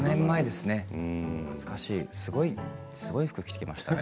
すごい服を着ていましたね。